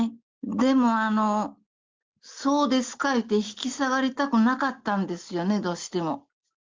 でもあの、そうですか言うて引き下がりたくなかったんですよね、どうしても。